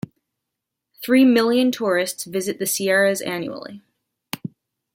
Three million tourists visit the Sierras annually.